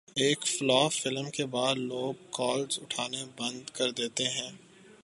ایک flop film کے بعد لوگ کالز اٹھانا بند کردیتے ہیں